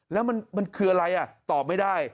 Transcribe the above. แล้วมันคืออะไรตอบไม่ได้